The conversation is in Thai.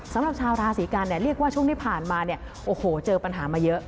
สำหรับชาวราศีกันเรียกว่าช่วงที่ผ่านมาเจอปัญหามาเยอะ